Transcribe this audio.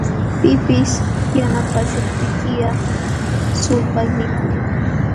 Pipis yanapaśhuptiykiqa, sulpaynikuy.